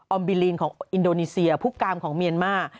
ออมบิลลีนของอินโดนีเซียภุกกามของเมียนมา